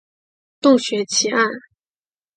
洞穴奇案。